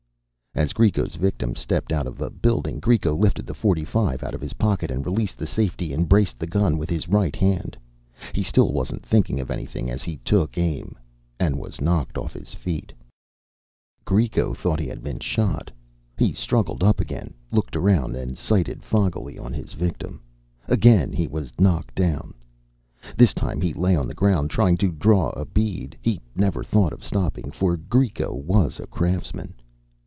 As Greco's victim stepped out of a building, Greco lifted the .45 out of his pocket. He released the safety and braced the gun with his right hand. He still wasn't thinking of anything as he took aim ... And was knocked off his feet. Greco thought he had been shot. He struggled up again, looked around, and sighted foggily on his victim. Again he was knocked down. This time he lay on the ground, trying to draw a bead. He never thought of stopping, for Greco was a craftsman.